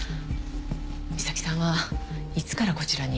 美咲さんはいつからこちらに？